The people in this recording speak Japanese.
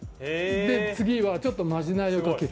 次は、ちょっとまじないをかける。